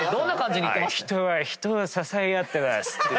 「人は人を支え合ってます」